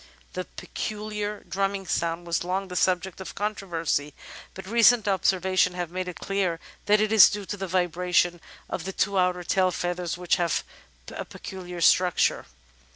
The pecuhar drumming sound was long the subject of controversy, but recent observations have made it clear that it is due to the vibration of the two outer tail feathers, which have a peculiar structure.